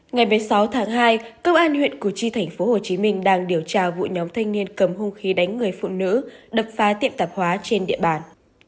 ngày một mươi sáu tháng hai công an huyện củ chi tp hcm đang điều tra vụ nhóm thanh niên cầm hung khí đánh người phụ nữ đập phá tiệm tạp hóa trên địa bàn